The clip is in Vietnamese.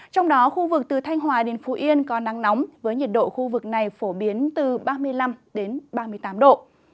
trong đó khu vực từ thanh hòa đến phú yên có nắng nóng với nhiệt độ khu vực này phổ biến từ ba mươi năm ba mươi tám độ